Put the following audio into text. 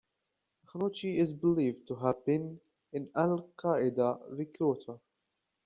Akhnouche is believed to have been an Al Qaeda recruiter.